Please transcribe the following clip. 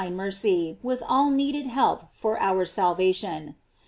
301 mercy, with all needed help for our salvation.